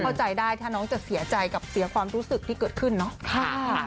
เข้าใจได้ถ้าน้องจะเสียใจกับเสียความรู้สึกที่เกิดขึ้นเนาะ